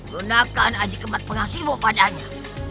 gunakan ajik emat pengasihmu padanya